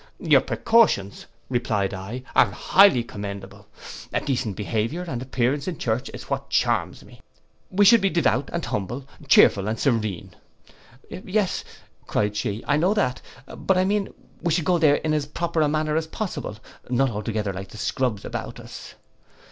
'Your precautions,' replied I, 'are highly commendable. A decent behaviour and appearance in church is what charms me. We should be devout and humble, chearful and serene.'—'Yes,' cried she, 'I know that; but I mean we should go there in as proper a manner as possible; not altogether like the scrubs about us.